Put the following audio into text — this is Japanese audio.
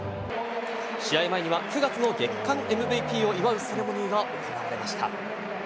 試合前には、９月の月間ＭＶＰを祝うセレモニーが行われました。